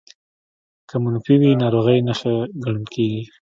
که منفي وي ناروغۍ نښه ګڼل کېږي